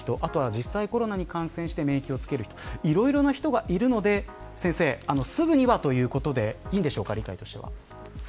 実際にコロナにかかって免疫をつける人いろいろな人がいるのですぐには、ということでいいんでしょうか。